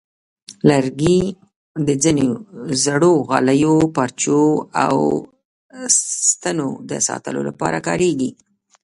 لرګي د ځینو زړو غالیو، پارچو، او ستنو د ساتلو لپاره کارېږي.